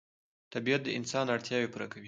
طبیعت د انسان اړتیاوې پوره کوي